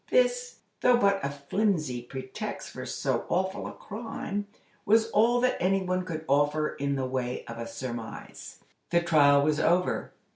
This, though but a flimsy pretext for so awful a crime, was all that any one could offer in the way of a surmise. The trial was over.